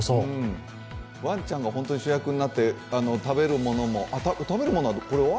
ワンちゃんが主役になって食べるものは、これは？